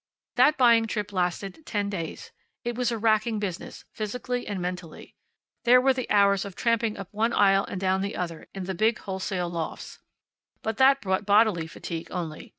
That buying trip lasted ten days. It was a racking business, physically and mentally. There were the hours of tramping up one aisle and down the other in the big wholesale lofts. But that brought bodily fatigue only.